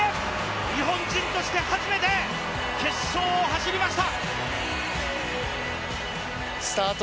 日本人として初めて決勝を走りました。